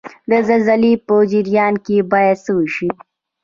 د زلزلې په جریان کې باید څه وشي؟